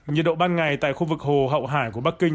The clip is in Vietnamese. nhiệt độ ban ngày tại khu vực hồ hậu hải của bắc kinh